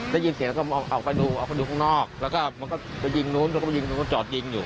ได้ยินเสียงก็เอาไปดูข้างนอกแล้วก็มันก็จะยิงนู้นตรงนู้นก็จอดยิงอยู่